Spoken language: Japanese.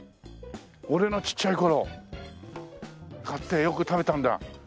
俺のちっちゃい頃買ってよく食べたんだ。